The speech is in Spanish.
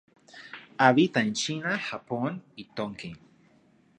Habita en China, Japón y Tonkin.